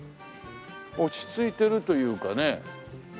落ち着いてるというかね。